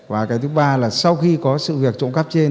và cái thứ ba là sau khi có sự việc trộm cắp trên